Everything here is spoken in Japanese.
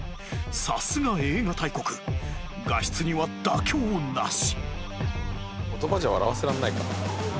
さすが映画大国画質には妥協なし